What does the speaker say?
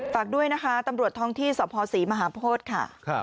ฝากด้วยนะคะตำรวจท้องที่สภศรีมหาโพธิค่ะ